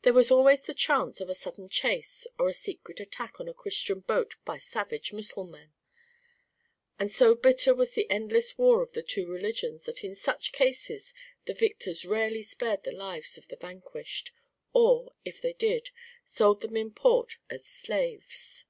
There was always the chance of a sudden chase or a secret attack on a Christian boat by savage Mussulmen, and so bitter was the endless war of the two religions that in such cases the victors rarely spared the lives of the vanquished, or, if they did, sold them in port as slaves.